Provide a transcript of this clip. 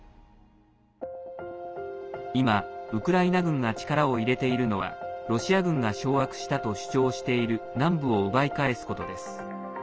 今、ウクライナ軍が力を入れているのはロシア軍が掌握したと主張している南部を奪い返すことです。